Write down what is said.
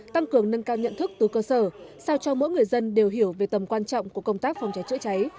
tăng cường nâng cao nhận thức từ cơ sở sao cho mỗi người dân đều hiểu về tầm quan trọng của công tác phòng cháy chữa cháy